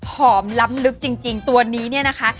หอมล้ำลึกจริงตัวนี้เนี่ยนะคะ